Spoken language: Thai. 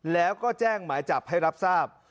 แล้วก็แจ้งหมายจับให้รับทราบ